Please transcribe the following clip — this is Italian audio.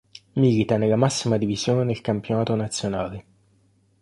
Milita nella massima divisione del campionato nazionale.